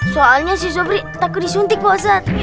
soalnya si sobri takut disuntik ustadz